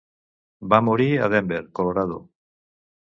Va morir a Denver (Colorado).